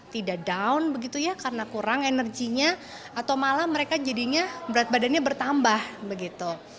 tidak down begitu ya karena kurang energinya atau malah mereka jadinya berat badannya bertambah begitu